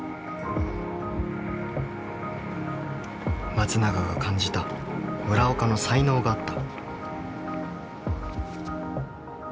松永が感じた村岡の才能があった。